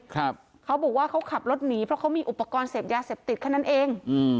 เขาบอกว่าเขาขับรถหนีเพราะเขามีอุปกรณ์เสพยาเสพติดแค่นั้นเองอืม